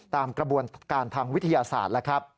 ตามกระบวนการทางวิทยาศาสตร์